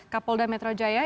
kapolda metro jawa